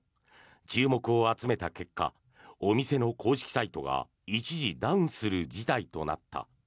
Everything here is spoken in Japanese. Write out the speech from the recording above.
注目を集めた結果お店の公式サイトが一時ダウンする事態となった。